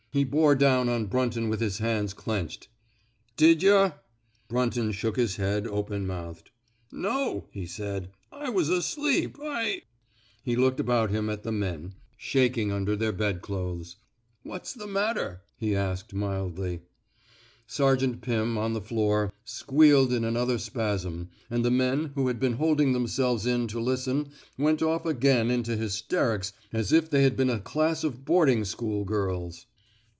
He bore down on Brunton with his hands clenched. '' Did yuh? " Brunton shook his head, open mouthed. No," he said. I was asleep. I —" He looked about him at the men, shaking under 134 IN THE NATUEE OP A HEEO their bedclothes. What's the matter? *' he asked, mildly. Sergeant Pirn, on the floor, squealed in another spasm, and the men, who had been holding themselves in to listen, went off again into hysterics as if they had been a class of boarding school girls.